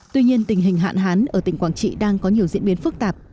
tuy nhiên tình hình hạn hán ở tỉnh quảng trị đang có nhiều diễn biến phức tạp